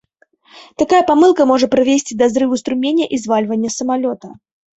Такая памылка можа прывесці да зрыву струменя і звальвання самалёта.